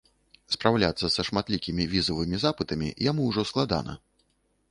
Спраўляцца са шматлікімі візавымі запытамі яму ўжо складана.